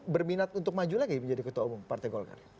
berminat untuk maju lagi menjadi ketua umum partai golkar